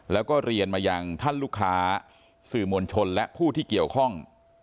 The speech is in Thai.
แล้วก็เรียนมายังท่านลูกค้าสื่อมวลชนและผู้ที่เกี่ยวข้อง